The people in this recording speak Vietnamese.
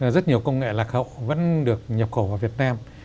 rất nhiều công nghệ lạc hậu vẫn được nhập khẩu vào việt nam